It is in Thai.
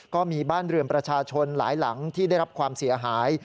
ก็มีบ้านเรือนประชาชนหลายหลังที่ได้รับความเสียหาย